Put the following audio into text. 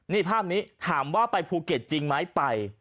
นี่ภาพนี้ถามว่าไปภูเก็ตจริงไหมไป